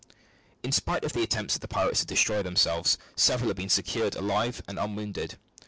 In spite of the attempts of the pirates to destroy themselves, several had been secured alive and unwounded.